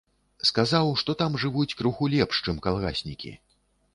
Сказаў, што там жывуць крыху лепш, чым калгаснікі.